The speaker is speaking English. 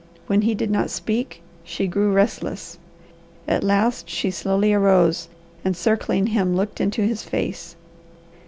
When he did not speak, she grew restless. At last she slowly arose and circling him looked into his face.